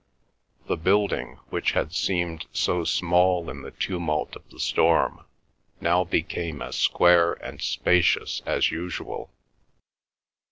The building, which had seemed so small in the tumult of the storm, now became as square and spacious as usual.